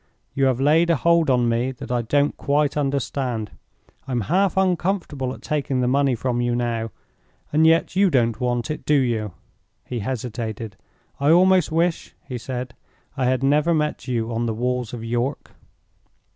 "You have laid a hold on me that I don't quite understand. I'm half uncomfortable at taking the money from you now; and yet you don't want it, do you?" He hesitated. "I almost wish," he said, "I had never met you on the Walls of York."